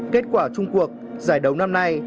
kết quả trung cuộc giải đấu năm nay